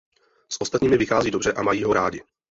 S ostatními vychází dobře a mají ho rádi.